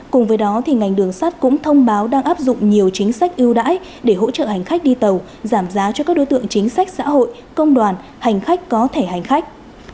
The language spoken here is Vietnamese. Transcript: cùng với đó ngành đường sắt cũng thông báo đang áp dụng nhiều chính sách ưu đãi để hỗ trợ hành khách đi tàu giảm giá cho các đối tượng chính sách xã hội công đoàn hành khách có thể hành khách